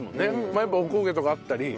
やっぱりお焦げとかあったり。